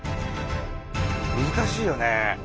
難しいよね。